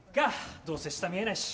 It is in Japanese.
どうせ下見えないし！